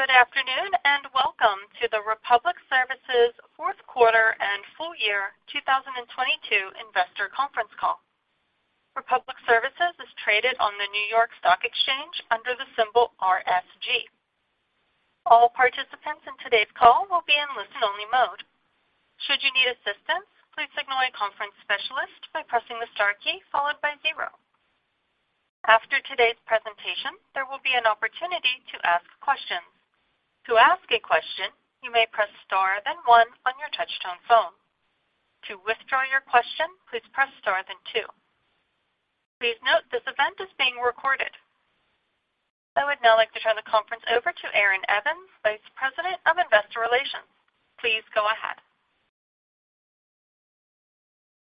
Good afternoon, welcome to the Republic Services fourth quarter and full-year 2022 investor conference call. Republic Services is traded on the New York Stock Exchange under the symbol RSG. All participants in today's call will be in listen-only mode. Should you need assistance, please signal a conference specialist by pressing the star key followed by zero. After today's presentation, there will be an opportunity to ask questions. To ask a question, you may press star, then one on your touchtone phone. To withdraw your question, please press star, then two. Please note this event is being recorded. I would now like to turn the conference over to Aaron Evans, Vice President of Investor Relations. Please go ahead.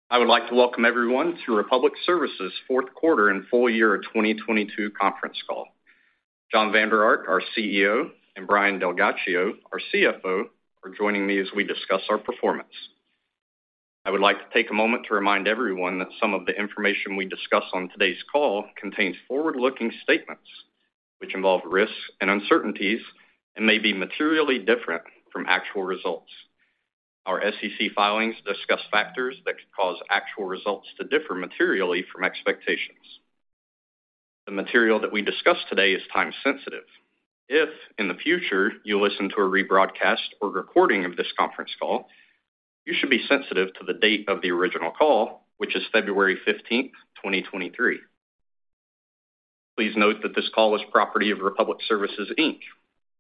I would like to welcome everyone to Republic Services fourth quarter and full-year of 2022 conference call. Jon Vander Ark, our CEO, and Brian DelGhiaccio, our CFO, are joining me as we discuss our performance. I would like to take a moment to remind everyone that some of the information we discuss on today's call contains forward-looking statements, which involve risks and uncertainties and may be materially different from actual results. Our SEC filings discuss factors that could cause actual results to differ materially from expectations. The material that we discuss today is time-sensitive. If, in the future, you listen to a rebroadcast or recording of this conference call, you should be sensitive to the date of the original call, which is February 15th, 2023. Please note that this call is property of Republic Services, Inc.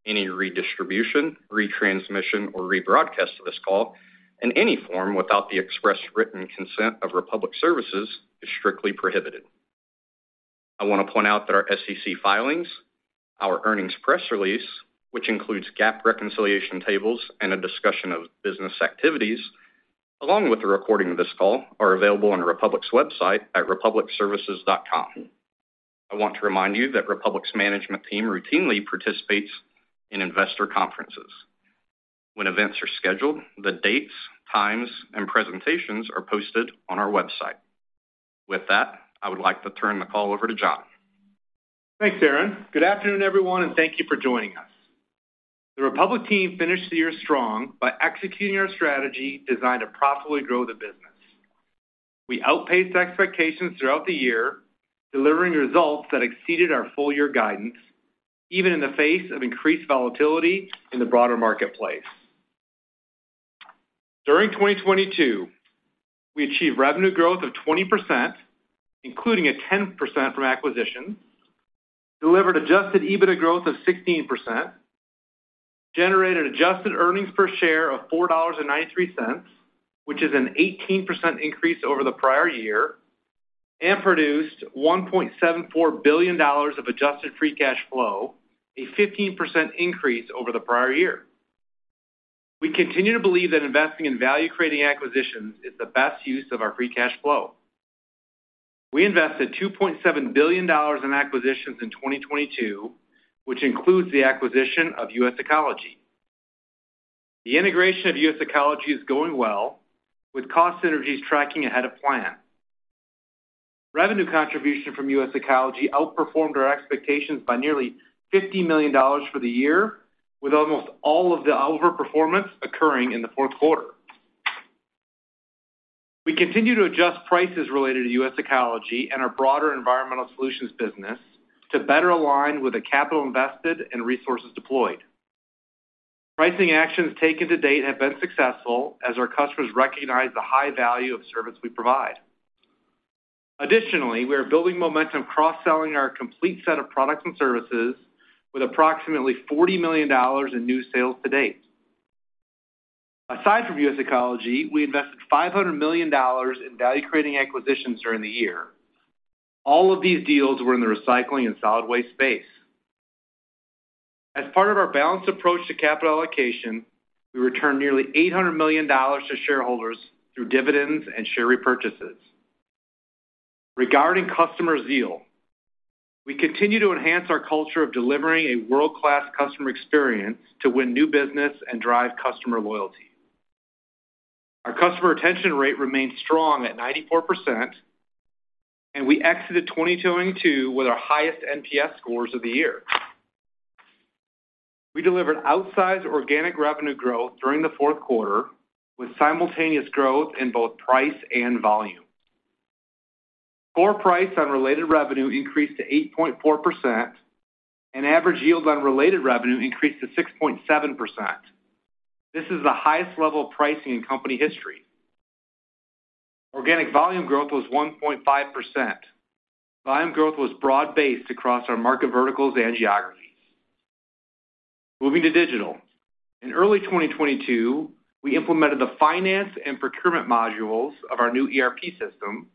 Any redistribution, retransmission, or rebroadcast of this call in any form without the express written consent of Republic Services is strictly prohibited. I want to point out that our SEC filings, our earnings press release, which includes GAAP reconciliation tables and a discussion of business activities, along with the recording of this call, are available on Republic's website at republicservices.com. I want to remind you that Republic's management team routinely participates in investor conferences. When events are scheduled, the dates, times, and presentations are posted on our website. With that, I would like to turn the call over to Jon. Thanks, Aaron. Good afternoon, everyone. Thank you for joining us. The Republic team finished the year strong by executing our strategy designed to profitably grow the business. We outpaced expectations throughout the year, delivering results that exceeded our full-year guidance, even in the face of increased volatility in the broader marketplace. During 2022, we achieved revenue growth of 20%, including a 10% from acquisition, delivered adjusted EBITDA growth of 16%, generated adjusted earnings per share of $4.93, which is an 18% increase over the prior year, and produced $1.74 billion of adjusted free cash flow, a 15% increase over the prior year. We continue to believe that investing in value-creating acquisitions is the best use of our free cash flow. We invested $2.7 billion in acquisitions in 2022, which includes the acquisition of US Ecology. The integration of US Ecology is going well, with cost synergies tracking ahead of plan. Revenue contribution from US Ecology outperformed our expectations by nearly $50 million for the year, with almost all of the overperformance occurring in the fourth quarter. We continue to adjust prices related to US Ecology and our broader Environmental Solutions business to better align with the capital invested and resources deployed. Pricing actions taken to date have been successful as our customers recognize the high value of service we provide. Additionally, we are building momentum cross-selling our complete set of products and services, with approximately $40 million in new sales to date. Aside from US Ecology, we invested $500 million in value-creating acquisitions during the year. All of these deals were in the recycling and solid waste space. As part of our balanced approach to capital allocation, we returned nearly $800 million to shareholders through dividends and share repurchases. Regarding customer zeal, we continue to enhance our culture of delivering a world-class customer experience to win new business and drive customer loyalty. Our customer retention rate remains strong at 94%, and we exited 2022 with our highest NPS scores of the year. We delivered outsized organic revenue growth during the fourth quarter with simultaneous growth in both price and volume. Core price on related revenue increased to 8.4%, and average yield on related revenue increased to 6.7%. This is the highest level of pricing in company history. Organic volume growth was 1.5%. Volume growth was broad-based across our market verticals and geographies. Moving to digital. In early 2022, we implemented the finance and procurement modules of our new ERP system,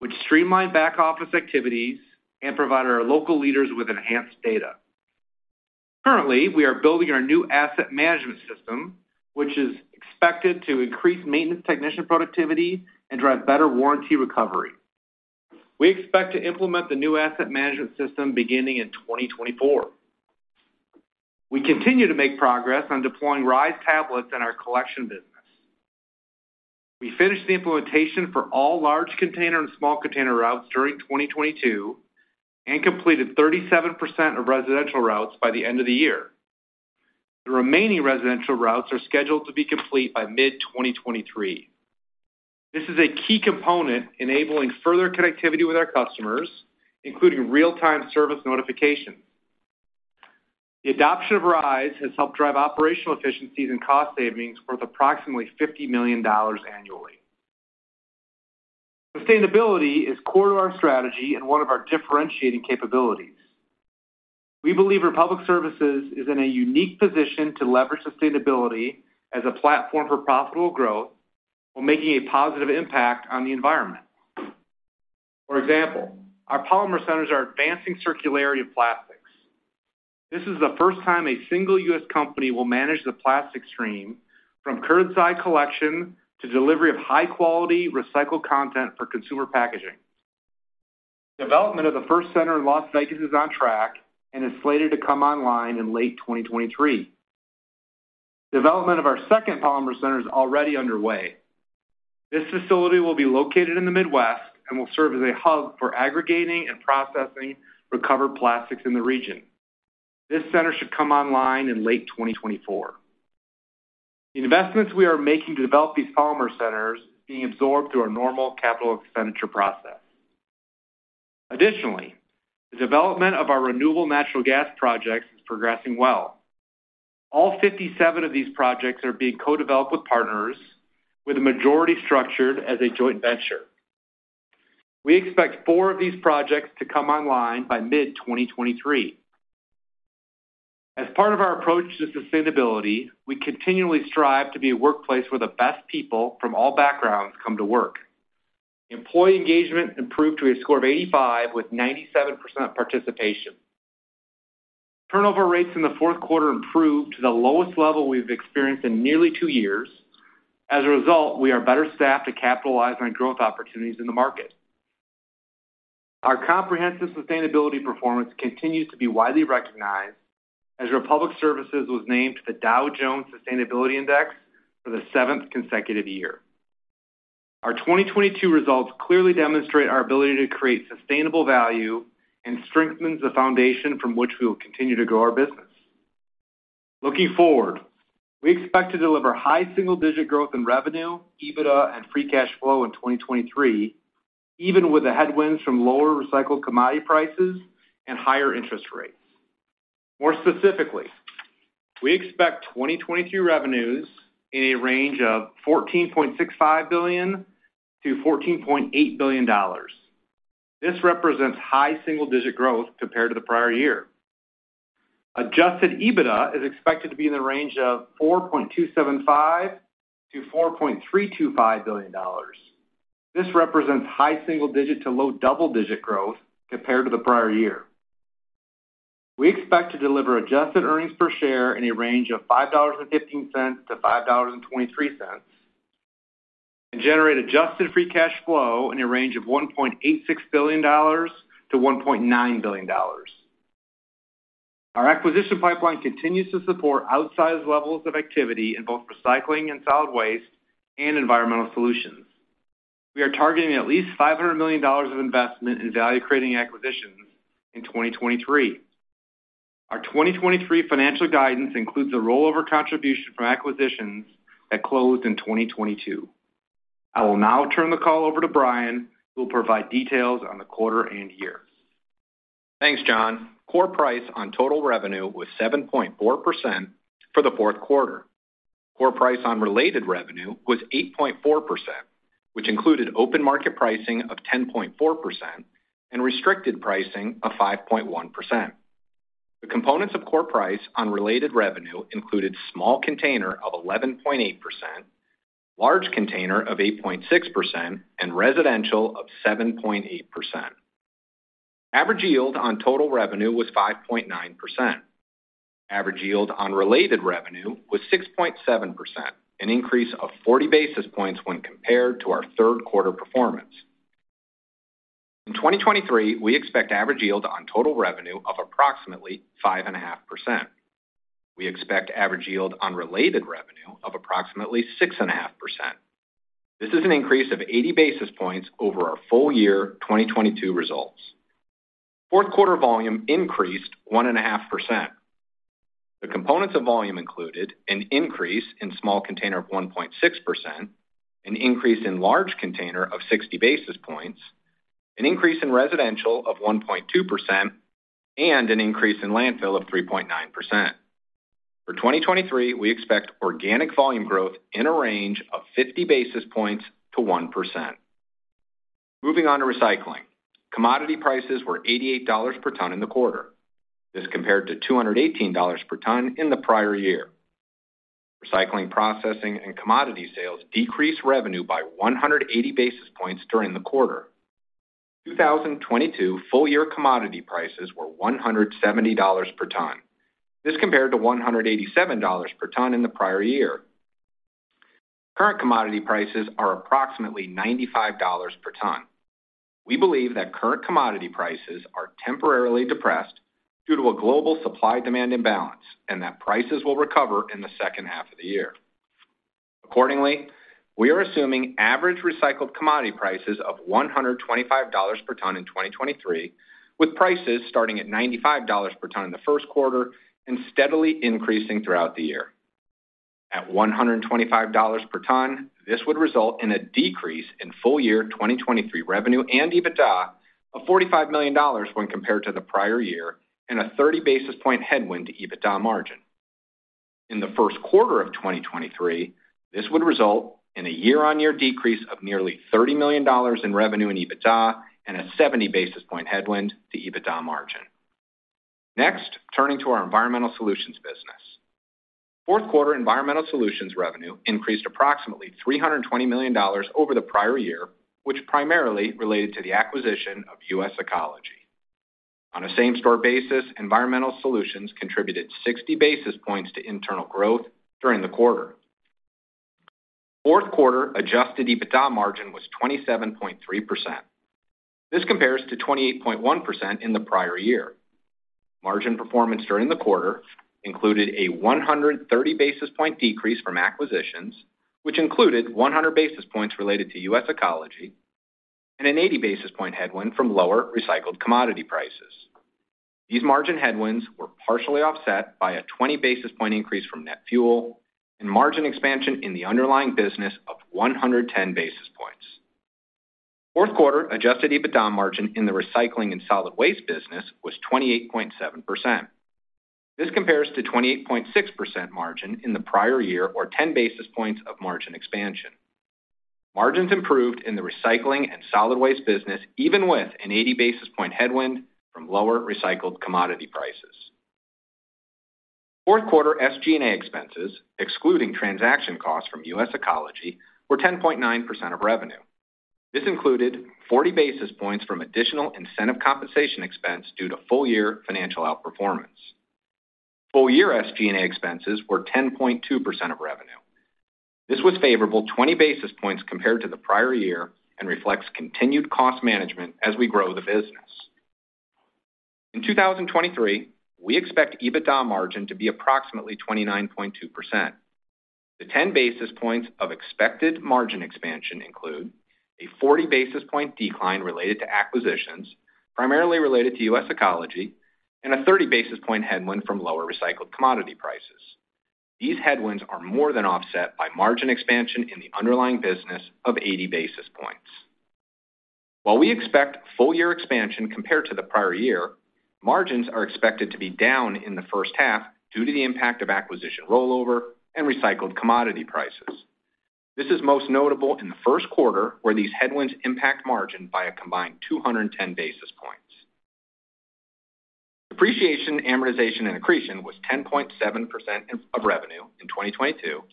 which streamlined back-office activities and provided our local leaders with enhanced data. Currently, we are building our new asset management system, which is expected to increase maintenance technician productivity and drive better warranty recovery. We expect to implement the new asset management system beginning in 2024. We continue to make progress on deploying RISE tablets in our collection business. We finished the implementation for all large container and small container routes during 2022 and completed 37% of residential routes by the end of the year. The remaining residential routes are scheduled to be complete by mid-2023. This is a key component enabling further connectivity with our customers, including real-time service notifications. The adoption of RISE has helped drive operational efficiencies and cost savings worth approximately $50 million annually. Sustainability is core to our strategy and one of our differentiating capabilities. We believe Republic Services is in a unique position to leverage sustainability as a platform for profitable growth while making a positive impact on the environment. For example, our Polymer Centers are advancing circularity of plastics. This is the first time a single U.S. company will manage the plastic stream from curbside collection to delivery of high-quality recycled content for consumer packaging. Development of the first center in Las Vegas is on track and is slated to come online in late 2023. Development of our second Polymer Center is already underway. This facility will be located in the Midwest and will serve as a hub for aggregating and processing recovered plastics in the region. This center should come online in late 2024. The investments we are making to develop these Polymer Centers is being absorbed through our normal capital expenditure process. Additionally, the development of our renewable natural gas projects is progressing well. All 57 of these projects are being co-developed with partners, with a majority structured as a joint venture. We expect four of these projects to come online by mid-2023. As part of our approach to sustainability, we continually strive to be a workplace where the best people from all backgrounds come to work. Employee engagement improved to a score of 85 with 97% participation. Turnover rates in the fourth quarter improved to the lowest level we've experienced in nearly two years. As a result, we are better staffed to capitalize on growth opportunities in the market. Our comprehensive sustainability performance continues to be widely recognized as Republic Services was named to the Dow Jones Sustainability Index for the seventh consecutive year. Our 2022 results clearly demonstrate our ability to create sustainable value and strengthens the foundation from which we will continue to grow our business. Looking forward, we expect to deliver high single-digit growth in revenue, EBITDA, and free cash flow in 2023, even with the headwinds from lower recycled commodity prices and higher interest rates. More specifically, we expect 2022 revenues in a range of $14.65 billion-$14.8 billion. This represents high single-digit growth compared to the prior year. Adjusted EBITDA is expected to be in the range of $4.275 billion-$4.325 billion. This represents high single-digit to low double-digit growth compared to the prior year. We expect to deliver adjusted earnings per share in a range of $5.15-$5.23, and generate adjusted free cash flow in a range of $1.86 billion-$1.9 billion. Our acquisition pipeline continues to support outsized levels of activity in both recycling and solid waste and Environmental Solutions. We are targeting at least $500 million of investment in value-creating acquisitions in 2023. Our 2023 financial guidance includes a rollover contribution from acquisitions that closed in 2022. I will now turn the call over to Brian, who will provide details on the quarter and year. Thanks, Jon. Core price on total revenue was 7.4% for the fourth quarter. Core price on related revenue was 8.4%, which included open market pricing of 10.4% and restricted pricing of 5.1%. The components of core price on related revenue included small container of 11.8%, large container of 8.6%, and residential of 7.8%. Average yield on total revenue was 5.9%. Average yield on related revenue was 6.7%, an increase of 40 basis points when compared to our third quarter performance. In 2023, we expect average yield on total revenue of approximately 5.5%. We expect average yield on related revenue of approximately 6.5%. This is an increase of 80 basis points over our full-year 2022 results. Fourth quarter volume increased 1.5%. The components of volume included an increase in small container of 1.6%, an increase in large container of 60 basis points, an increase in residential of 1.2%, and an increase in landfill of 3.9%. For 2023, we expect organic volume growth in a range of 50 basis points to 1%. Moving on to recycling. Commodity prices were $88 per ton in the quarter. This compared to $218 per ton in the prior year. Recycling, processing, and commodity sales decreased revenue by 180 basis points during the quarter. 2022 full-year commodity prices were $170 per ton. This compared to $187 per ton in the prior year. Current commodity prices are approximately $95 per ton. We believe that current commodity prices are temporarily depressed due to a global supply- demand imbalance and that prices will recover in the second half of the year. Accordingly, we are assuming average recycled commodity prices of $125 per ton in 2023, with prices starting at $95 per ton in the first quarter and steadily increasing throughout the year. At $125 per ton, this would result in a decrease in full-year 2023 revenue and EBITDA of $45 million when compared to the prior year and a 30 basis point headwind to EBITDA margin. In the first quarter of 2023, this would result in a year-on-year decrease of nearly $30 million in revenue and EBITDA and a 70 basis point headwind to EBITDA margin. Turning to our Environmental Solutions business. Fourth quarter Environmental Solutions revenue increased approximately $320 million over the prior year, which primarily related to the acquisition of US Ecology. On a same-store basis, Environmental Solutions contributed 60 basis points to internal growth during the quarter. Fourth quarter adjusted EBITDA margin was 27.3%. This compares to 28.1% in the prior year. Margin performance during the quarter included a 130 basis point decrease from acquisitions, which included 100 basis points related to US Ecology and an 80 basis point headwind from lower recycled commodity prices. These margin headwinds were partially offset by a 20 basis point increase from net fuel and margin expansion in the underlying business of 110 basis points. Fourth quarter adjusted EBITDA margin in the recycling and solid waste business was 28.7%. This compares to 28.6% margin in the prior year or 10 basis points of margin expansion. Margins improved in the recycling and solid waste business, even with an 80 basis point headwind from lower recycled commodity prices. Fourth quarter SG&A expenses, excluding transaction costs from US Ecology, were 10.9% of revenue. This included 40 basis points from additional incentive compensation expense due to full-year financial outperformance. Full-year SG&A expenses were 10.2% of revenue. This was favorable 20 basis points compared to the prior year and reflects continued cost management as we grow the business. In 2023, we expect EBITDA margin to be approximately 29.2%. The 10 basis points of expected margin expansion include a 40 basis point decline related to acquisitions, primarily related to US Ecology, and a 30 basis point headwind from lower recycled commodity prices. These headwinds are more than offset by margin expansion in the underlying business of 80 basis points. While we expect full-year expansion compared to the prior year, margins are expected to be down in the first half due to the impact of acquisition rollover and recycled commodity prices. This is most notable in the first quarter, where these headwinds impact margin by a combined 210 basis points. Depreciation, amortization, and accretion was 10.7% of revenue in 2022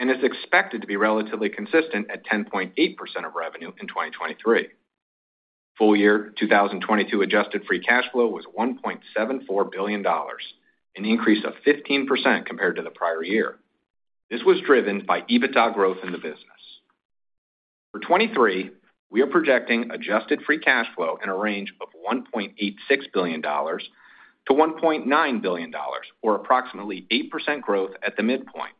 and is expected to be relatively consistent at 10.8% of revenue in 2023. Full-year 2022 adjusted free cash flow was $1.74 billion, an increase of 15% compared to the prior year. This was driven by EBITDA growth in the business. For 2023, we are projecting adjusted free cash flow in a range of $1.86 billion-$1.9 billion, or approximately 8% growth at the midpoint.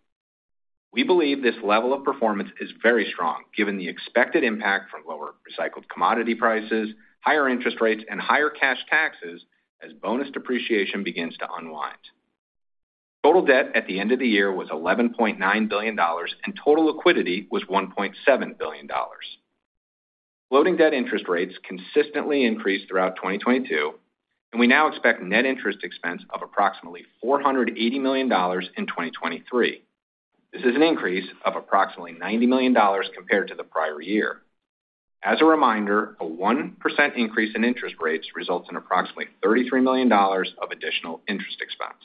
We believe this level of performance is very strong given the expected impact from lower recycled commodity prices, higher interest rates, and higher cash taxes as bonus depreciation begins to unwind. Total debt at the end of the year was $11.9 billion, and total liquidity was $1.7 billion. Floating debt interest rates consistently increased throughout 2022, and we now expect net interest expense of approximately $480 million in 2023. This is an increase of approximately $90 million compared to the prior year. As a reminder, a 1% increase in interest rates results in approximately $33 million of additional interest expense.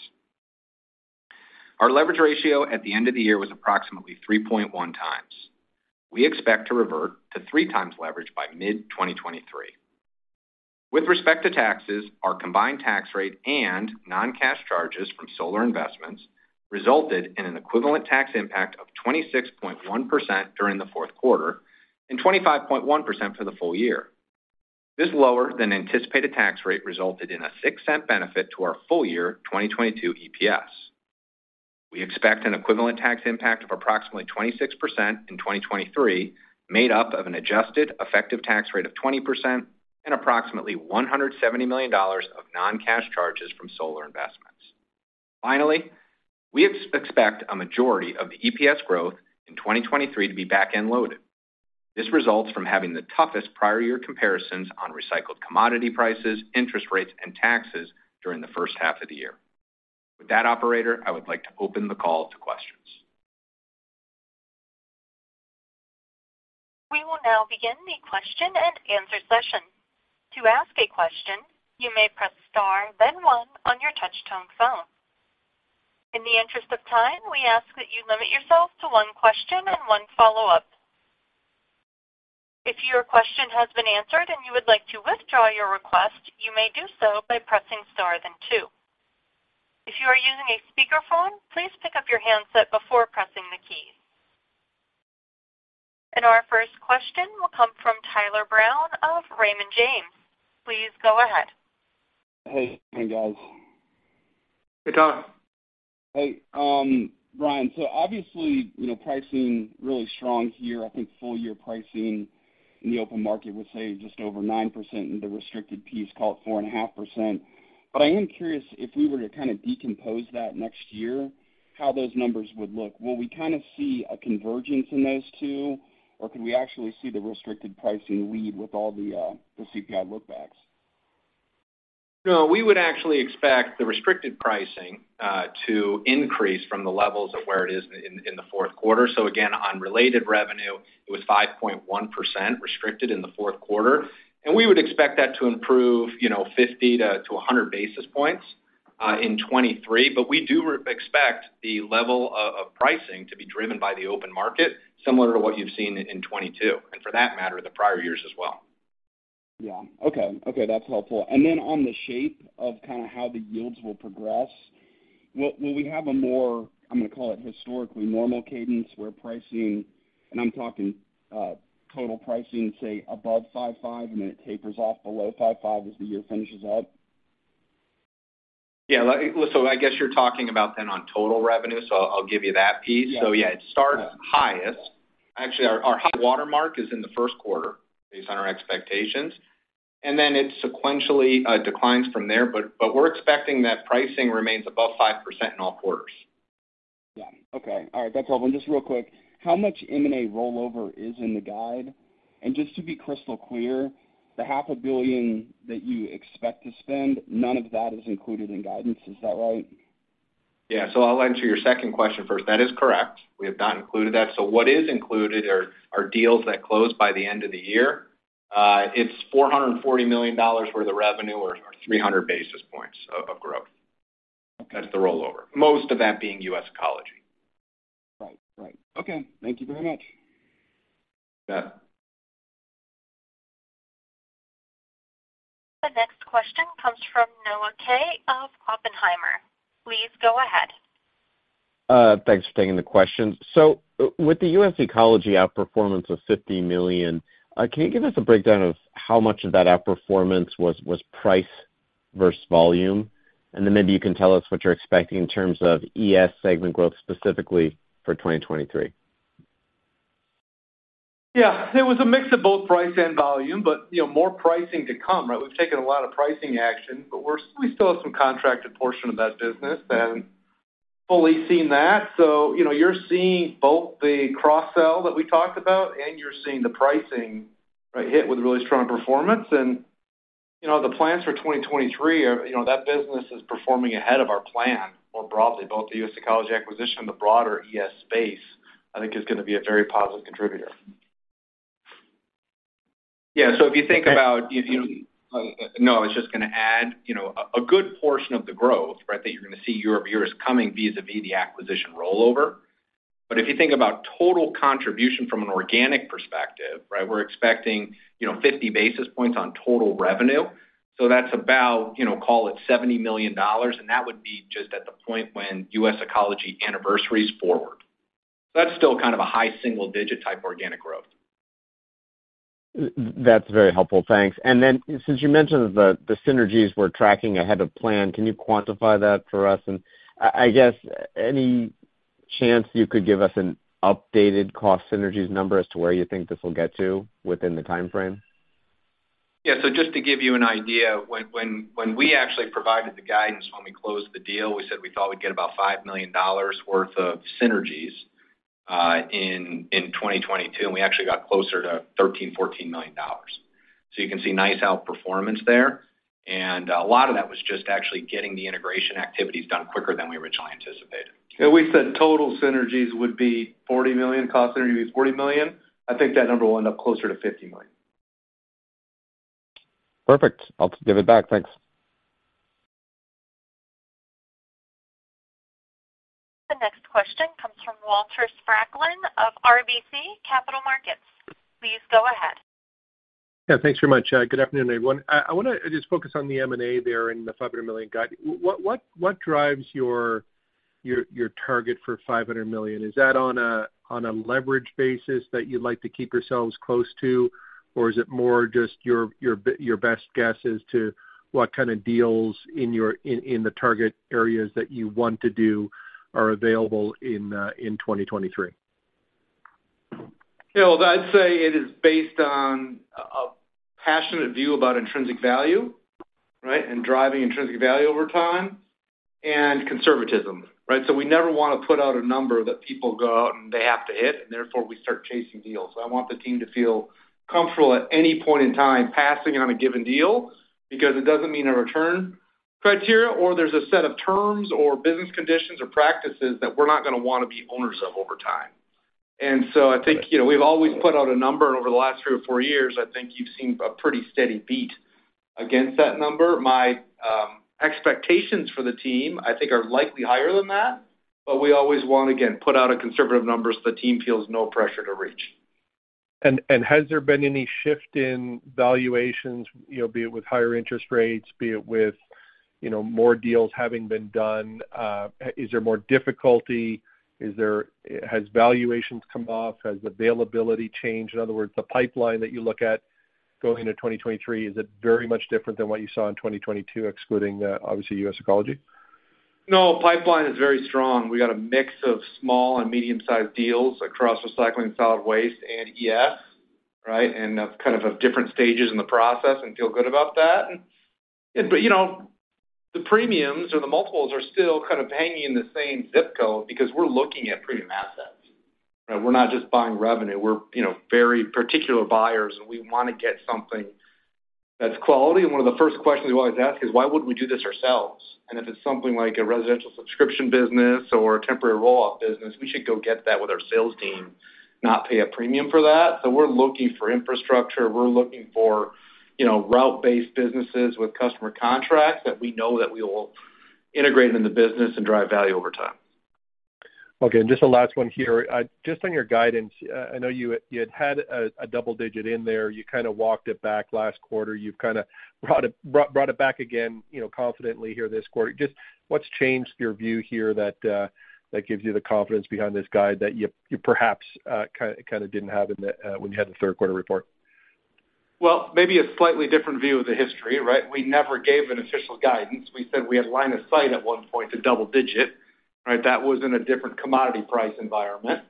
Our leverage ratio at the end of the year was approximately 3.1x. We expect to revert to 3x leverage by mid-2023. With respect to taxes, our combined tax rate and non-cash charges from solar investments resulted in an equivalent tax impact of 26.1% during the fourth quarter and 25.1% for the full-year. This lower-than- anticipated tax rate resulted in a $0.06 benefit to our full-year 2022 EPS. We expect an equivalent tax impact of approximately 26% in 2023, made up of an adjusted effective tax rate of 20% and approximately $170 million of non-cash charges from solar investments. Finally, we expect a majority of the EPS growth in 2023 to be back-end loaded. This results from having the toughest prior year comparisons on recycled commodity prices, interest rates, and taxes during the first half of the year. With that, operator, I would like to open the call to questions. We will now begin the question and answer session. To ask a question, you may press star then one on your touch-tone phone. In the interest of time, we ask that you limit yourself to one question and one follow-up. If your question has been answered and you would like to withdraw your request, you may do so by pressing star then two. Using a speakerphone, please pick up your handset before pressing the keys. Our first question will come from Tyler Brown of Raymond James. Please go ahead. Hey. Hey, guys. Hey, Tyler. Hey, Brian, obviously, you know, pricing really strong here. I think full-year pricing in the open market would say just over 9%, and the restricted piece call it 4.5%. I am curious if we were to kind of decompose that next year, how those numbers would look. Will we kind of see a convergence in those two, or could we actually see the restricted pricing lead with all the CPI look-backs? We would actually expect the restricted pricing to increase from the levels of where it is in the fourth quarter. On related revenue, it was 5.1% restricted in the fourth quarter. We would expect that to improve, you know, 50 to 100 basis points in 2023. We do expect the level of pricing to be driven by the open market, similar to what you've seen in 2022, and for that matter, the prior years as well. Yeah. Okay. Okay, that's helpful. Then on the shape of kinda how the yields will progress, will we have a more, I'm gonna call it historically normal cadence, where pricing, and I'm talking total pricing, say above 5.5%, and then it tapers off below 5.5% as the year finishes up? Yeah, I guess you're talking about on total revenue, I'll give you that piece. Yeah. Yeah, it starts highest. Actually, our high watermark is in the first quarter based on our expectations, and then it sequentially declines from there. We're expecting that pricing remains above 5% in all quarters. Yeah. Okay. All right. That's helpful. Just real quick, how much M&A rollover is in the guide? Just to be crystal clear, the half a billion that you expect to spend, none of that is included in guidance, is that right? I'll answer your second question first. That is correct. We have not included that. What is included are deals that close by the end of the year. It's $440 million worth of revenue or 300 basis points of growth. That's the rollover. Most of that being US Ecology. Right. Right. Okay. Thank you very much. You bet. The next question comes from Noah Kaye of Oppenheimer. Please go ahead. Thanks for taking the question. With the US Ecology outperformance of $50 million, can you give us a breakdown of how much of that outperformance was price versus volume? Maybe you can tell us what you're expecting in terms of ES segment growth, specifically for 2023? It was a mix of both price and volume, you know, more pricing to come, right? We've taken a lot of pricing action, we still have some contracted portion of that business, and fully seen that. You know, you're seeing both the cross-sell that we talked about, and you're seeing the pricing, right, hit with really strong performance. You know, the plans for 2023 are, you know, that business is performing ahead of our plan more broadly, both the US Ecology acquisition and the broader ES space, I think is gonna be a very positive contributor. Yeah. Okay. No, I was just gonna add, you know, a good portion of the growth, right, that you're gonna see year-over-year is coming vis-à-vis the acquisition rollover. If you think about total contribution from an organic perspective, right, we're expecting, you know, 50 basis points on total revenue. That's about, you know, call it $70 million, and that would be just at the point when US Ecology anniversaries forward. That's still kind of a high single digit type organic growth. That's very helpful. Thanks. Since you mentioned the synergies we're tracking ahead of plan, can you quantify that for us? I guess any chance you could give us an updated cost synergies number as to where you think this will get to within the timeframe? Yeah. Just to give you an idea, when we actually provided the guidance when we closed the deal, we said we thought we'd get about $5 million worth of synergies, in 2022, and we actually got closer to $13 million-$14 million. You can see nice outperformance there. A lot of that was just actually getting the integration activities done quicker than we originally anticipated. We said total synergies would be $40 million, cost synergies $40 million. I think that number will end up closer to $50 million. Perfect. I'll give it back. Thanks. The next question comes from Walter Spracklin of RBC Capital Markets. Please go ahead. Yeah, thanks very much. Good afternoon, everyone. I wanna just focus on the M&A there and the $500 million guide. What drives your target for $500 million? Is that on a, on a leverage basis that you'd like to keep yourselves close to? Or is it more just your best guess as to what kind of deals in the target areas that you want to do are available in 2023? Yeah. Well, I'd say it is based on a passionate view about intrinsic value, right, and driving intrinsic value over time, and conservatism, right. We never wanna put out a number that people go out and they have to hit, and therefore, we start chasing deals. I want the team to feel comfortable at any point in time passing on a given deal because it doesn't meet our return criteria, or there's a set of terms or business conditions or practices that we're not gonna wanna be owners of over time. I think, you know, we've always put out a number, and over the last three or four years, I think you've seen a pretty steady beat against that number. My expectations for the team, I think are likely higher than that, but we always want, again, put out a conservative number so the team feels no pressure to reach. Has there been any shift in valuations, you know, be it with higher interest rates, be it with, you know, more deals having been done? Is there more difficulty? Has valuations come off? Has availability changed? In other words, the pipeline that you look at going into 2023, is it very much different than what you saw in 2022, excluding the, obviously, US Ecology? No, pipeline is very strong. We got a mix of small and medium-sized deals across recycling solid waste and ES, right? That's kind of different stages in the process, and feel good about that. You know, the premiums or the multiples are still kind of hanging in the same zip code because we're looking at premium assets. We're not just buying revenue. We're, you know, very particular buyers, and we wanna get something that's quality. One of the first questions we always ask is, why would we do this ourselves? If it's something like a residential subscription business or a temporary roll-off business, we should go get that with our sales team, not pay a premium for that. We're looking for infrastructure. We're looking for, you know, route-based businesses with customer contracts that we know that we will integrate in the business and drive value over time. Okay. Just the last one here. Just on your guidance, I know you had a double-digit in there. You kinda walked it back last quarter. You've kinda brought it back again, you know, confidently here this quarter. Just what's changed your view here that gives you the confidence behind this guide that you perhaps kind of didn't have in the when you had the third quarter report? Well, maybe a slightly different view of the history, right? We never gave an official guidance. We said we had line of sight at one point to double-digit, right? That was in a different commodity price environment.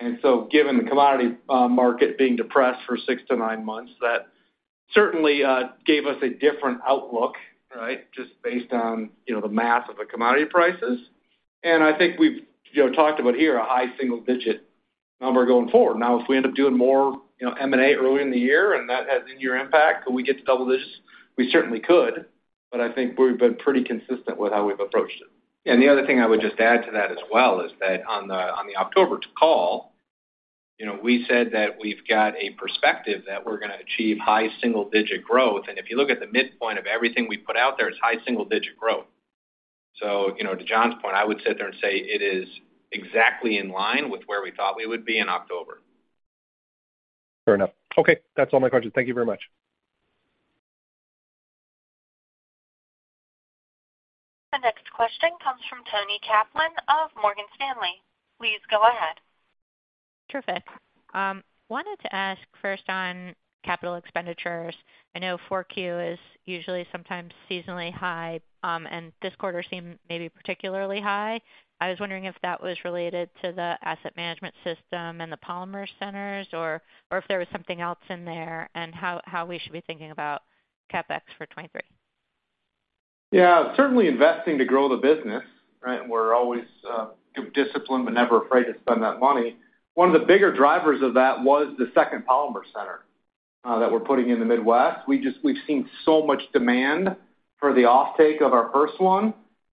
Given the commodity market being depressed for six to nine months, that certainly gave us a different outlook, right, just based on, you know, the math of the commodity prices. I think we've, you know, talked about here a high single-digit number going forward. Now, if we end up doing more, you know, M&A early in the year and that has in-year impact, could we get to double-digits? We certainly could. I think we've been pretty consistent with how we've approached it. The other thing I would just add to that as well is that on the, on the October call, you know, we said that we've got a perspective that we're gonna achieve high single-digit growth. If you look at the midpoint of everything we put out there, it's high single-digit growth. You know, to Jon's point, I would sit there and say it is exactly in line with where we thought we would be in October. Fair enough. Okay. That's all my questions. Thank you very much. The next question comes from Toni Kaplan of Morgan Stanley. Please go ahead. Terrific. Wanted to ask first on capital expenditures. I know 4Q is usually sometimes seasonally high, and this quarter seemed maybe particularly high. I was wondering if that was related to the asset management system and the Polymer Centers or if there was something else in there, and how we should be thinking about CapEx for 2023. Yeah, certainly investing to grow the business, right? We're always disciplined but never afraid to spend that money. One of the bigger drivers of that was the second Polymer Center that we're putting in the Midwest. We've seen so much demand for the offtake of our first one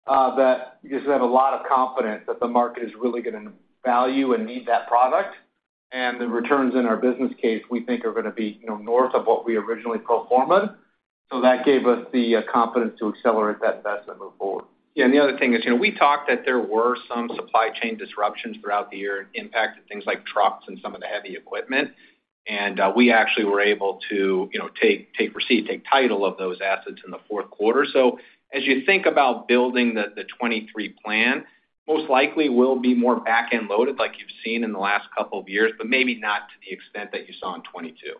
that we just have a lot of confidence that the market is really gonna value and need that product. The returns in our business case, we think, are gonna be, you know, north of what we originally pro forma'd. That gave us the confidence to accelerate that investment move forward. Yeah. The other thing is, you know, we talked that there were some supply chain disruptions throughout the year, impact to things like trucks and some of the heavy equipment. We actually were able to, you know, take receipt, take title of those assets in the fourth quarter. As you think about building the 2023 plan, most likely will be more back-end loaded like you've seen in the last couple of years, but maybe not to the extent that you saw in 2022.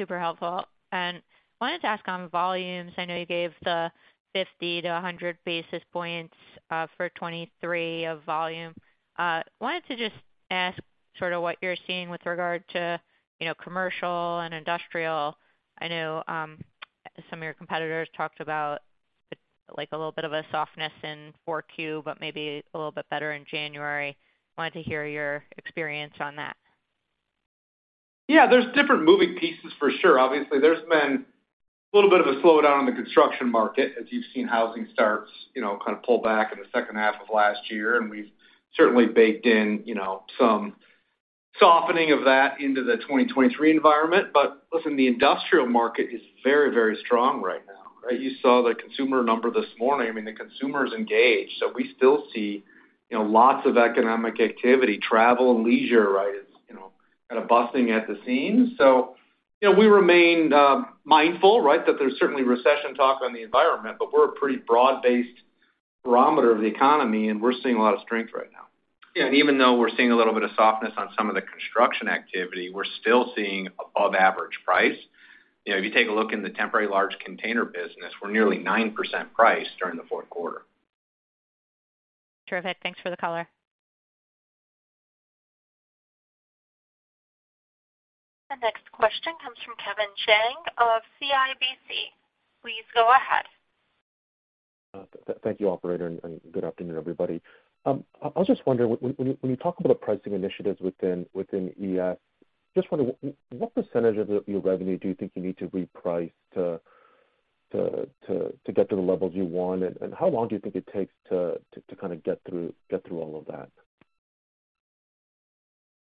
Super helpful. Wanted to ask on volumes. I know you gave the 50-100 basis points for 2023 of volume. Wanted to just ask sort of what you're seeing with regard to, you know, commercial and industrial. I know some of your competitors talked about, like, a little bit of a softness in 4Q, but maybe a little bit better in January. Wanted to hear your experience on that. Yeah. There's different moving pieces for sure. Obviously, there's been a little bit of a slowdown in the construction market as you've seen housing starts, you know, kind of pull back in the second half of last year. We've certainly baked in, you know, some softening of that into the 2023 environment. Listen, the industrial market is very, very strong right now, right? You saw the consumer number this morning. I mean, the consumer is engaged. We still see, you know, lots of economic activity. Travel and leisure, right, is, you know, kind of busting at the seams. You know, we remained mindful, right, that there's certainly recession talk on the environment, but we're a pretty broad-based barometer of the economy, and we're seeing a lot of strength right now. Yeah. Even though we're seeing a little bit of softness on some of the construction activity, we're still seeing above average price. You know, if you take a look in the temporary large container business, we're nearly 9% priced during the fourth quarter. Terrific. Thanks for the color. The next question comes from Kevin Chiang of CIBC. Please go ahead. Thank you, operator, and good afternoon, everybody. I was just wondering when you talk about pricing initiatives within ES, just wonder what percentage of your revenue do you think you need to reprice to get to the levels you want? How long do you think it takes to kind of get through all of that?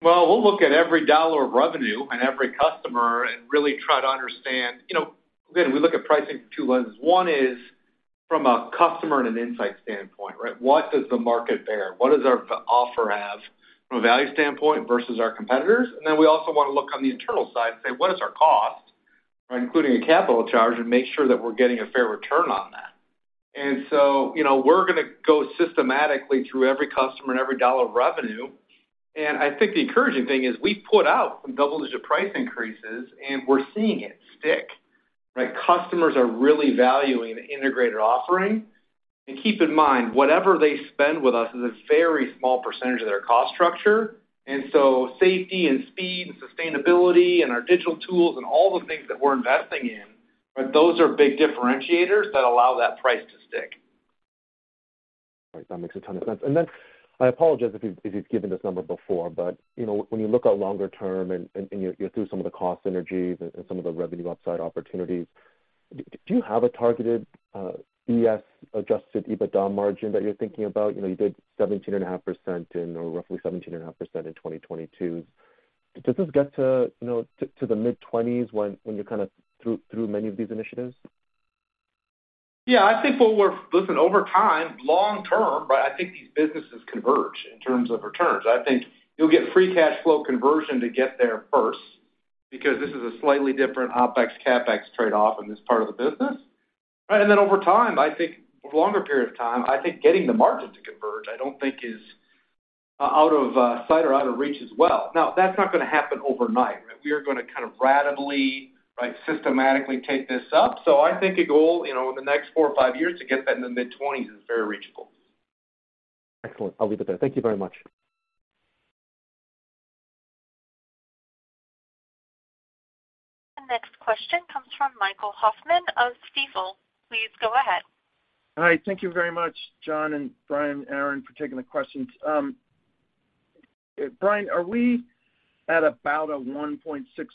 We'll look at every dollar of revenue and every customer and really try to understand. You know, again, we look at pricing for two lenses. One is. From a customer and an insight standpoint, right? What does the market bear? What does our offer have from a value standpoint versus our competitors? Then we also wanna look on the internal side and say, "What is our cost, including a capital charge, and make sure that we're getting a fair return on that." So, you know, we're gonna go systematically through every customer and every $1 of revenue. I think the encouraging thing is we've put out some double-digit price increases, and we're seeing it stick, right? Customers are really valuing the integrated offering. Keep in mind, whatever they spend with us is a very small percentage of their cost structure. So safety and speed and sustainability and our digital tools and all the things that we're investing in, right, those are big differentiators that allow that price to stick. Right. That makes a ton of sense. I apologize if you've given this number before, but, you know, when you look out longer term and, you're through some of the cost synergies and some of the revenue upside opportunities, do you have a targeted ES adjusted EBITDA margin that you're thinking about? You know, you did 17.5% or roughly 17.5% in 2022. Does this get to, you know, the mid-20s when you're kinda through many of these initiatives? Yeah. Listen, over time, long-term, right, I think these businesses converge in terms of returns. I think you'll get free cash flow conversion to get there first because this is a slightly different OpEx, CapEx trade-off in this part of the business, right? Then over time, I think, a longer period of time, I think getting the margin to converge, I don't think is out of sight or out of reach as well. That's not gonna happen overnight. We are gonna kind of ratably, right, systematically take this up. I think a goal, you know, in the next four or five years to get that in the mid-20s is very reachable. Excellent. I'll leave it there. Thank you very much. The next question comes from Michael Hoffman of Stifel. Please go ahead. Hi. Thank you very much, Jon and Brian, Aaron, for taking the questions. Brian, are we at about a $1.6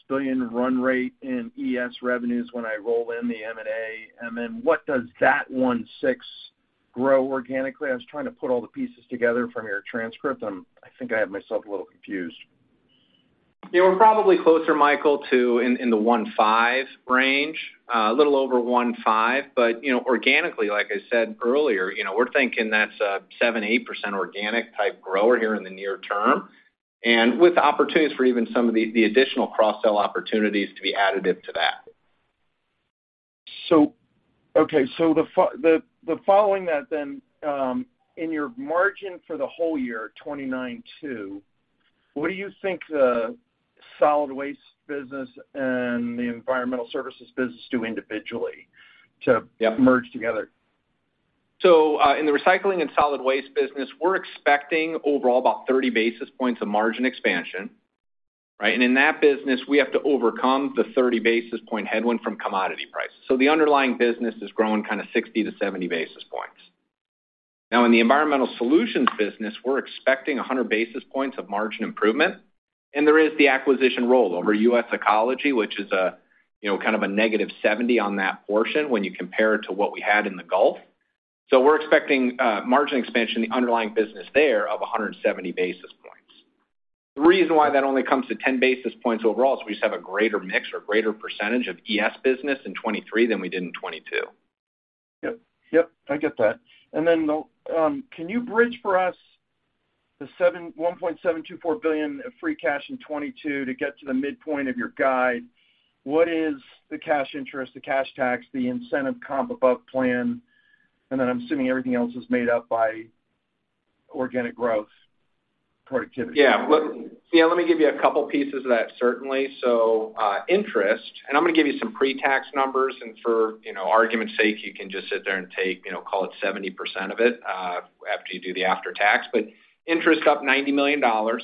billion run rate in ES revenues when I roll in the M&A? Then what does that 1.6 grow organically? I was trying to put all the pieces together from your transcript. I think I have myself a little confused. Yeah. We're probably closer, Michael, to in the 1.5 range, a little over 1.5. You know, organically, like I said earlier, you know, we're thinking that's a 7%-8% organic type grower here in the near term, and with opportunities for even some of the additional cross-sell opportunities to be additive to that. Okay. The following that then, in your margin for the whole year, 2022, what do you think the solid waste business and the Environmental Services business do individually? Yeah. -merge together? In the recycling and solid waste business, we're expecting overall about 30 basis points of margin expansion, right? In that business, we have to overcome the 30 basis point headwind from commodity prices. The underlying business is growing kinda 60 to 70 basis points. Now, in the Environmental Solutions business, we're expecting 100 basis points of margin improvement. There is the acquisition roll over US Ecology, which is a, you know, kind of a -70 on that portion when you compare it to what we had in the Gulf. We're expecting margin expansion in the underlying business there of 170 basis points. The reason why that only comes to 10 basis points overall is we just have a greater mix or greater percentage of ES business in 2023 than we did in 2022. Yep. Yep, I get that. Can you bridge for us the $1.724 billion of free cash in 2022 to get to the midpoint of your guide? What is the cash interest, the cash tax, the incentive comp above plan? I'm assuming everything else is made up by organic growth productivity. Yeah, let me give you a couple of pieces of that, certainly. Interest, and I'm gonna give you some pre-tax numbers, and for, you know, argument's sake, you can just sit there and take, you know, call it 70% of it after you do the after-tax. Interest, up $90 million, right?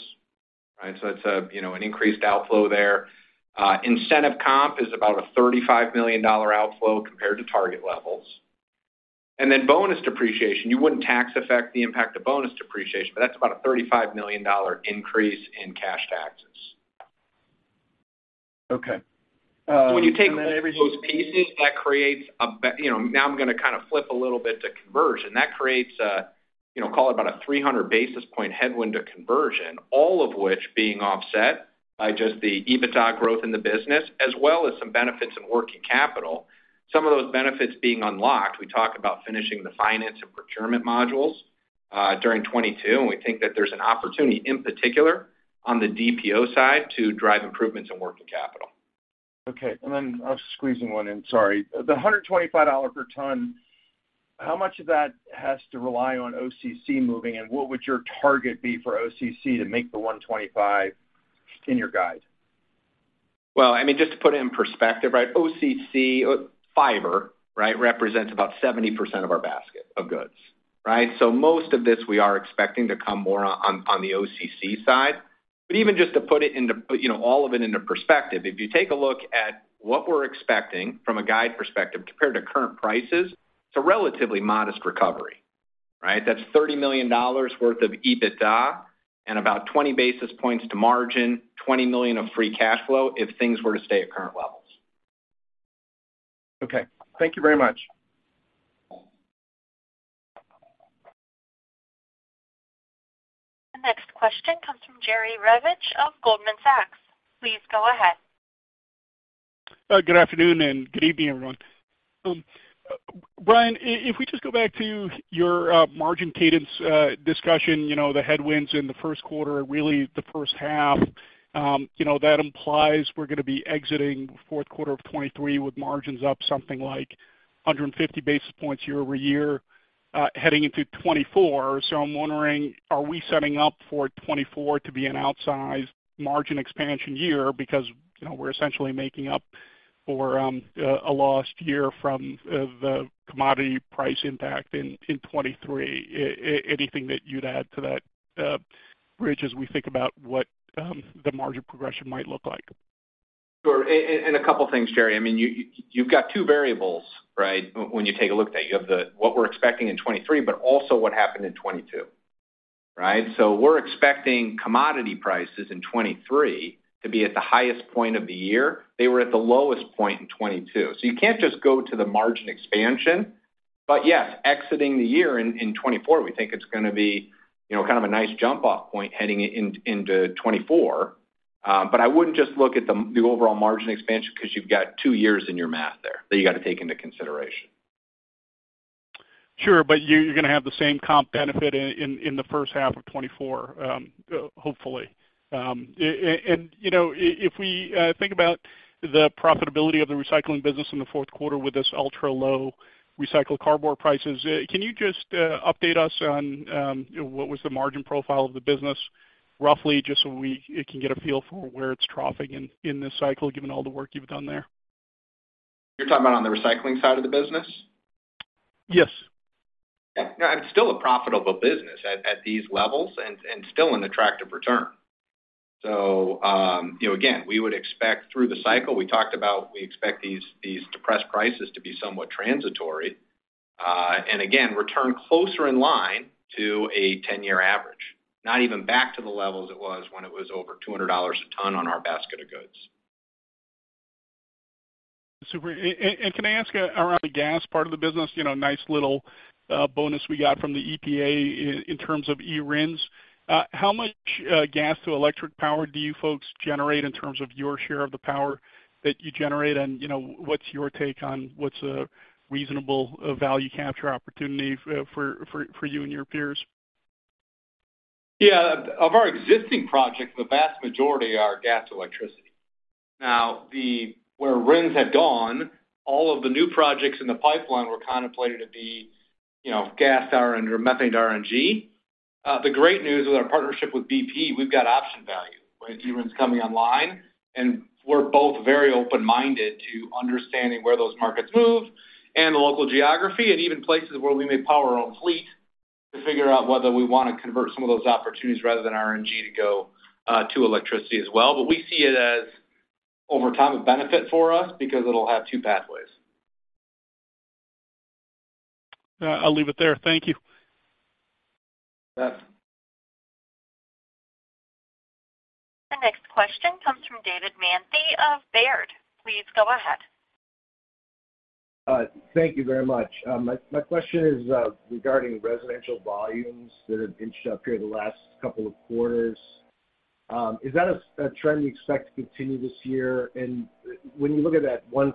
It's a, you know, an increased outflow there. Incentive comp is about a $35 million outflow compared to target levels. Bonus depreciation, you wouldn't tax affect the impact of bonus depreciation, but that's about a $35 million increase in cash taxes. Okay. then. When you take those pieces, that creates a, you know, now I'm gonna kind of flip a little bit to conversion. That creates a, you know, call it about a 300 basis point headwind to conversion, all of which being offset by just the EBITDA growth in the business as well as some benefits in working capital, some of those benefits being unlocked. We talk about finishing the finance and procurement modules during 2022, and we think that there's an opportunity, in particular, on the DPO side to drive improvements in working capital. Okay. I'm squeezing one in, sorry. The $125 per ton, how much of that has to rely on OCC moving, and what would your target be for OCC to make the $125 in your guide? Well, I mean, just to put it in perspective, right? OCC fiber, right, represents about 70% of our basket of goods, right? Most of this we are expecting to come more on the OCC side. Even just to put it into, you know, all of it into perspective, if you take a look at what we're expecting from a guide perspective compared to current prices, it's a relatively modest recovery, right? That's $30 million worth of EBITDA and about 20 basis points to margin, $20 million of free cash flow if things were to stay at current levels. Okay. Thank you very much. The next question comes from Jerry Revich of Goldman Sachs. Please go ahead. Good afternoon and good evening, everyone. Brian, if we just go back to your margin cadence discussion, you know, the headwinds in the first quarter are really the first half. You know, that implies we're gonna be exiting fourth quarter of 2023 with margins up something like 150 basis points year-over-year, heading into 2024. I'm wondering, are we setting up for 2024 to be an outsized margin expansion year because, you know, we're essentially making up for a lost year from the commodity price impact in 2023? Anything that you'd add to that bridge as we think about what the margin progression might look like? Sure. A couple things, Jerry. I mean, you've got two variables, right? When you take a look at that. You have the, what we're expecting in 2023, also what happened in 2022, right? We're expecting commodity prices in 2023 to be at the highest point of the year. They were at the lowest point in 2022. You can't just go to the margin expansion. Yes, exiting the year in 2024, we think it's gonna be, you know, kind of a nice jump-off point heading into 2024. I wouldn't just look at the overall margin expansion 'cause you've got two years in your math there that you gotta take into consideration. Sure. You're gonna have the same comp benefit in the first half of 2024, hopefully. You know, if we think about the profitability of the recycling business in the fourth quarter with these ultra-low recycled cardboard prices, can you just update us on what was the margin profile of the business roughly, just so we can get a feel for where it's troughing in this cycle given all the work you've done there? You're talking about on the recycling side of the business? Yes. Yeah. No, it's still a profitable business at these levels and still in the tract of return. you know, again, we would expect through the cycle, we talked about we expect these depressed prices to be somewhat transitory, and again, return closer in line to a 10-year average, not even back to the levels it was when it was over $200 a ton on our basket of goods. Super. Can I ask around the gas part of the business, you know, nice little bonus we got from the EPA in terms of eRINs. How much gas to electric power do you folks generate in terms of your share of the power that you generate? You know, what's your take on what's a reasonable value capture opportunity for you and your peers? Yeah. Of our existing projects, the vast majority are gas electricity. Where eRINs had gone, all of the new projects in the pipeline were contemplated to be, you know, gas or under methane RNG. The great news with our partnership with BP, we've got option value, right? eRINs coming online, we're both very open-minded to understanding where those markets move and the local geography, and even places where we may power our own fleet to figure out whether we wanna convert some of those opportunities rather than RNG to go to electricity as well. We see it as over time a benefit for us because it'll have two pathways. I'll leave it there. Thank you. You bet. The next question comes from David Manthey of Baird. Please go ahead. Thank you very much. My question is regarding residential volumes that have inched up here the last couple of quarters. Is that a trend you expect to continue this year? When you look at that 1%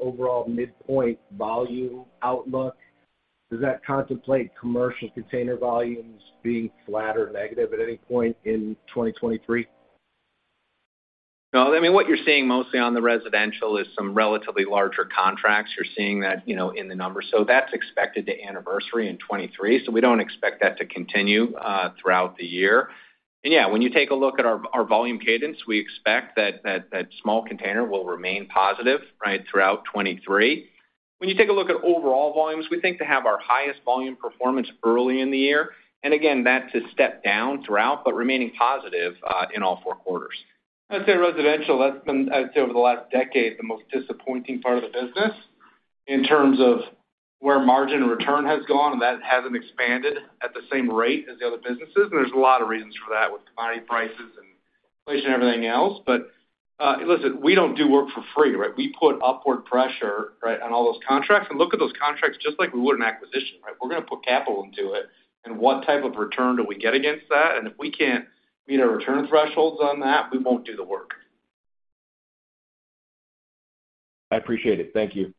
overall midpoint volume outlook, does that contemplate commercial container volumes being flat or negative at any point in 2023? No. I mean, what you're seeing mostly on the residential is some relatively larger contracts. You're seeing that, you know, in the numbers. That's expected to anniversary in 2023, so we don't expect that to continue throughout the year. Yeah, when you take a look at our volume cadence, we expect that small container will remain positive, right, throughout 2023. When you take a look at overall volumes, we think to have our highest volume performance early in the year, and again, that to step down throughout, but remaining positive in all four quarters. I'd say residential, that's been, I'd say, over the last decade, the most disappointing part of the business in terms of where margin return has gone, and that hasn't expanded at the same rate as the other businesses. There's a lot of reasons for that with commodity prices and inflation, everything else. Listen, we don't do work for free, right? We put upward pressure, right, on all those contracts and look at those contracts just like we would an acquisition, right? We're gonna put capital into it, and what type of return do we get against that? If we can't meet our return thresholds on that, we won't do the work. I appreciate it. Thank you.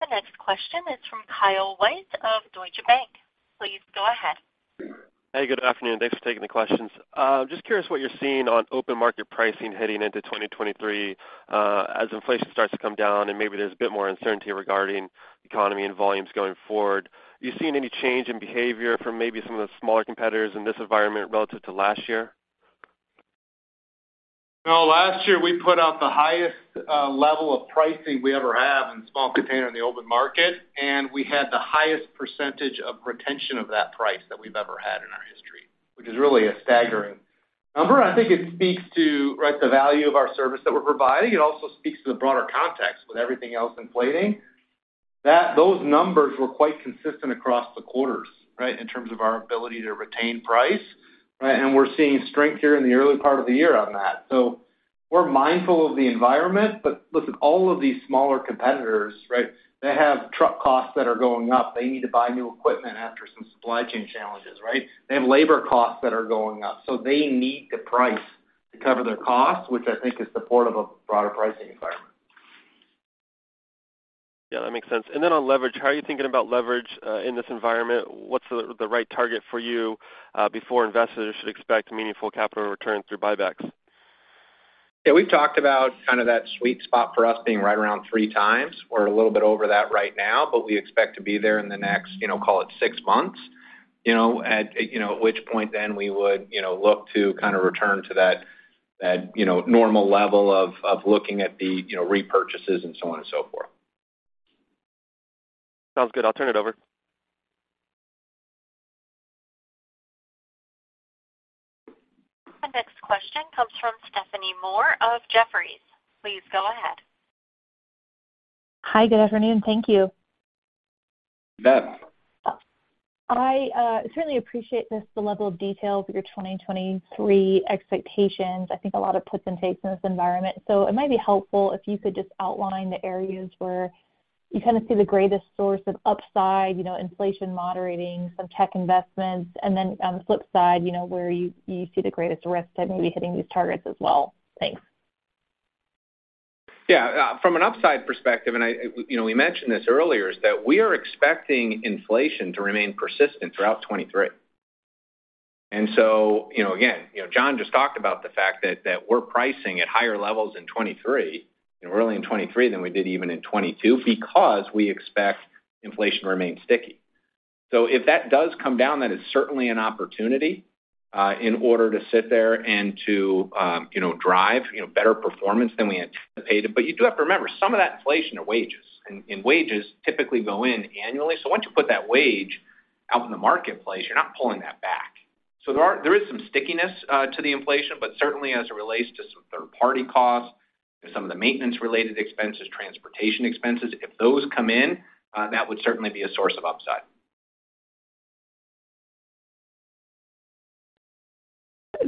The next question is from Kyle White of Deutsche Bank. Please go ahead. Hey, good afternoon. Thanks for taking the questions. Just curious what you're seeing on open market pricing heading into 2023, as inflation starts to come down and maybe there's a bit more uncertainty regarding economy and volumes going forward. Are you seeing any change in behavior from maybe some of the smaller competitors in this environment relative to last year? No. Last year, we put out the highest level of pricing we ever have in small container in the open market. We had the highest percentage of retention of that price that we've ever had in our history, which is really a staggering number. I think it speaks to, right, the value of our service that we're providing. It also speaks to the broader context with everything else inflating. Those numbers were quite consistent across the quarters, right, in terms of our ability to retain price, right? We're seeing strength here in the early part of the year on that. We're mindful of the environment. Listen, all of these smaller competitors, right, they have truck costs that are going up. They need to buy new equipment after some supply chain challenges, right? They have labor costs that are going up. They need to price to cover their costs, which I think is supportive of broader pricing environment. Yeah, that makes sense. Then on leverage, how are you thinking about leverage, in this environment? What's the right target for you, before investors should expect meaningful capital returns through buybacks? Yeah, we've talked about kind of that sweet spot for us being right around three times. We're a little bit over that right now. We expect to be there in the next, you know, call it six months. You know, at which point then we would, you know, look to kind of return to that normal level of looking at the, you know, repurchases and so on and so forth. Sounds good. I'll turn it over. The next question comes from Stephanie Moore of Jefferies. Please go ahead. Hi, good afternoon. Thank you. Beth. I certainly appreciate this, the level of detail of your 2023 expectations. I think a lot of puts and takes in this environment. It might be helpful if you could just outline the areas where you kind of see the greatest source of upside, you know, inflation moderating, some tech investments. On the flip side, you know, where you see the greatest risk to maybe hitting these targets as well. Thanks. Yeah. From an upside perspective, I, you know, we mentioned this earlier, is that we are expecting inflation to remain persistent throughout 2023. You know, again, you know, Jon just talked about the fact that we're pricing at higher levels in 2023 and early in 2023 than we did even in 2022 because we expect inflation to remain sticky. If that does come down, that is certainly an opportunity in order to sit there and to, you know, drive, you know, better performance than we anticipated. You do have to remember, some of that inflation are wages, and wages typically go in annually. Once you put that wage out in the marketplace, you're not pulling that back. There is some stickiness to the inflation, but certainly as it relates to some third-party costs and some of the maintenance-related expenses, transportation expenses, if those come in, that would certainly be a source of upside.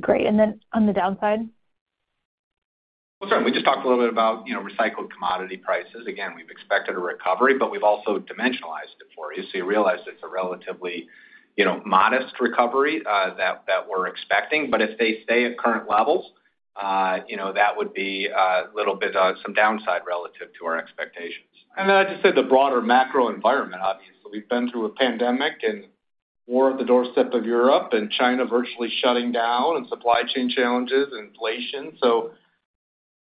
Great. On the downside? Sorry. We just talked a little bit about, you know, recycled commodity prices. Again, we've expected a recovery, but we've also dimensionalized it for you. You realize it's a relatively, you know, modest recovery that we're expecting. If they stay at current levels, you know, that would be a little bit some downside relative to our expectations. I'd just say the broader macro environment, obviously. We've been through a pandemic and war at the doorstep of Europe and China virtually shutting down and supply chain challenges and inflation.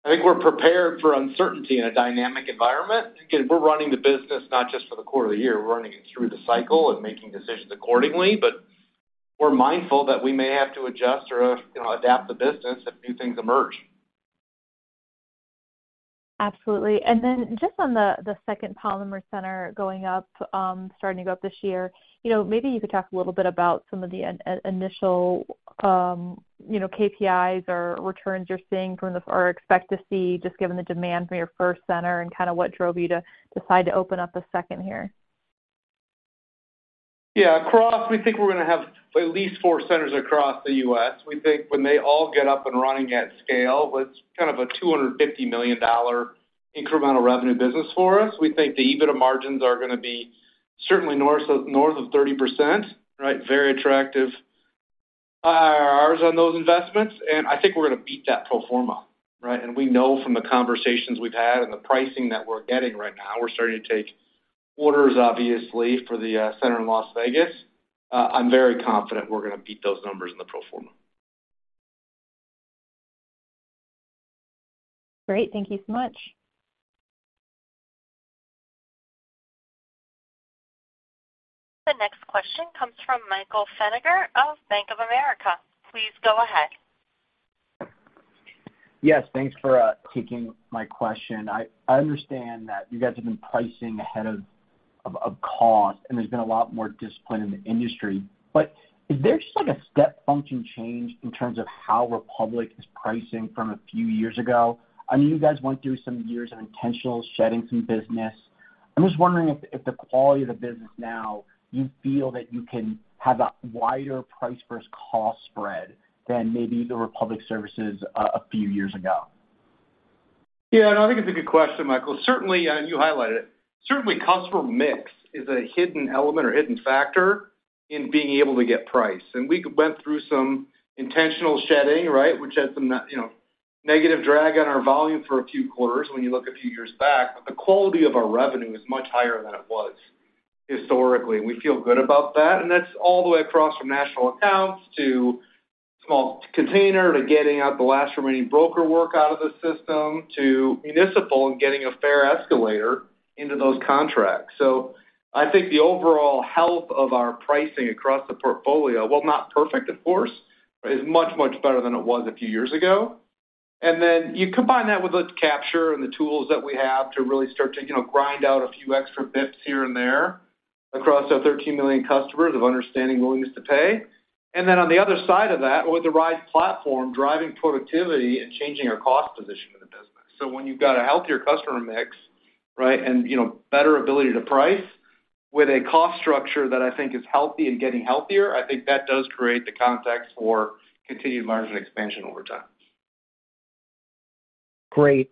I think we're prepared for uncertainty in a dynamic environment. Again, we're running the business not just for the quarter of the year, we're running it through the cycle and making decisions accordingly. We're mindful that we may have to adjust or, you know, adapt the business if new things emerge. Absolutely. Just on the second Polymer Center going up, starting to go up this year, you know, maybe you could talk a little bit about some of the initial, you know, KPIs or returns you're seeing or expect to see, just given the demand from your first center and kinda what drove you to decide to open up a second here? Yeah. Across, we think we're gonna have at least four centers across the U.S. We think when they all get up and running at scale, it's kind of a $250 million incremental revenue business for us. We think the EBITDA margins are gonna be certainly north of 30%, right? Very attractive IRRs on those investments. I think we're gonna beat that pro forma, right? We know from the conversations we've had and the pricing that we're getting right now, we're starting to take orders, obviously, for the center in Las Vegas. I'm very confident we're gonna beat those numbers in the pro forma. Great. Thank you so much. The next question comes from Michael Feniger of Bank of America. Please go ahead. Yes, thanks for taking my question. I understand that you guys have been pricing ahead of cost, and there's been a lot more discipline in the industry. Is there just like a step function change in terms of how Republic Services is pricing from a few years ago? I mean, you guys went through some years of intentional shedding some business. I'm just wondering if the quality of the business now, you feel that you can have a wider price versus cost spread than maybe the Republic Services a few years ago. Yeah. No, I think it's a good question, Michael. Certainly, you highlighted it, certainly customer mix is a hidden element or hidden factor in being able to get price. We went through some intentional shedding, right, which had some, you know, negative drag on our volume for a few quarters when you look a few years back. The quality of our revenue is much higher than it was historically, and we feel good about that. That's all the way across from national accounts to small container, to getting out the last remaining broker work out of the system, to municipal, and getting a fair escalator into those contracts. I think the overall health of our pricing across the portfolio, while not perfect of course, is much, much better than it was a few years ago. Then you combine that with let's capture and the tools that we have to really start to, you know, grind out a few extra bits here and there across our 13 million customers of understanding willingness to pay. Then on the other side of that, with the right platform, driving productivity and changing our cost position in the business. When you've got a healthier customer mix, right, and, you know, better ability to price with a cost structure that I think is healthy and getting healthier, I think that does create the context for continued margin expansion over time. Great.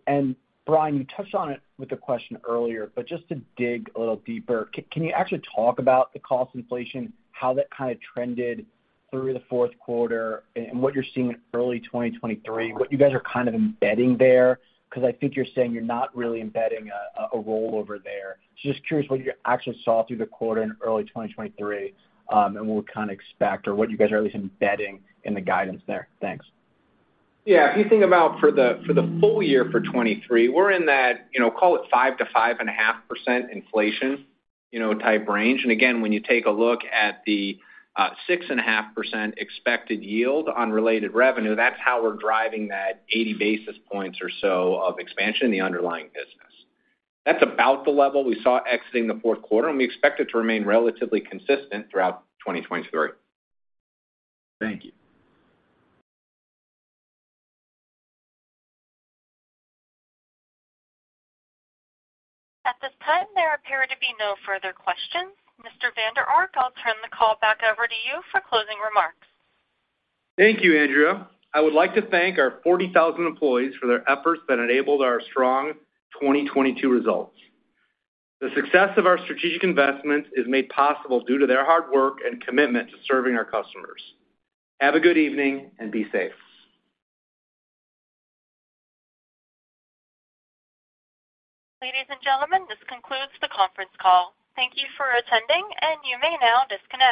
Brian, you touched on it with a question earlier, but just to dig a little deeper, can you actually talk about the cost inflation, how that kind of trended through the fourth quarter and what you're seeing in early 2023, what you guys are kind of embedding there? I think you're saying you're not really embedding a roll over there. Just curious what you actually saw through the quarter in early 2023, and what we kind of expect or what you guys are at least embedding in the guidance there. Thanks. Yeah. If you think about for the full-year for 2023, we're in that, you know, call it 5% to 5.5% inflation, you know, type range. Again, when you take a look at the 6.5% expected yield on related revenue, that's how we're driving that 80 basis points or so of expansion in the underlying business. That's about the level we saw exiting the fourth quarter. We expect it to remain relatively consistent throughout 2023. Thank you. At this time, there appear to be no further questions. Mr. Vander Ark, I'll turn the call back over to you for closing remarks. Thank you, Andrea. I would like to thank our 40,000 employees for their efforts that enabled our strong 2022 results. The success of our strategic investments is made possible due to their hard work and commitment to serving our customers. Have a good evening and be safe. Ladies and gentlemen, this concludes the conference call. Thank you for attending, and you may now disconnect.